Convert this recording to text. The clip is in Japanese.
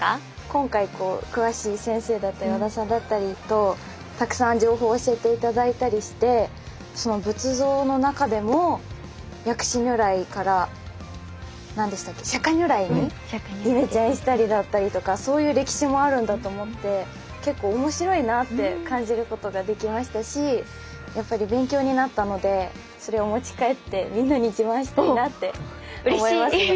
今回詳しい先生だったり和田さんだったりとたくさん情報教えて頂いたりして仏像の中でも薬師如来から何でしたっけ釈如来にイメチェンしたりだったりとかそういう歴史もあるんだと思って結構面白いなって感じることができましたしやっぱり勉強になったのでそれを持ち帰ってみんなに自慢したいなって思いますね。